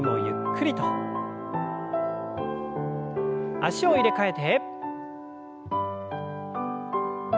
脚を入れ替えて。